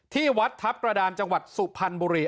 ที่วัดทัพกระดานจังหวัดสุพรรณบุรี